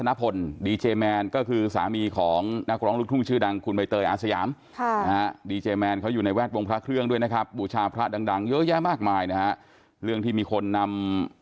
ไม่ใช่ว่าหลบมาบอกว่าจะมาแล้วไม่มา